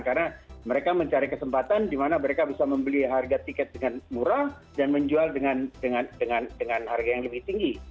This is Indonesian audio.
karena mereka mencari kesempatan di mana mereka bisa membeli harga tiket dengan murah dan menjual dengan harga yang lebih tinggi